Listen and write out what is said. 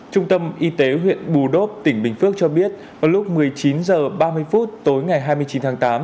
trung tâm y tế huyện bù đốc tỉnh bình phước cho biết vào lúc một mươi chín h ba mươi phút tối ngày hai mươi chín tháng tám